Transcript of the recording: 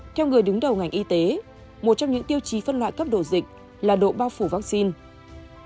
theo người đứng đầu ngành y tế một trong những tiêu chí phân loại cấp độ dịch là độ bao phủ vaccine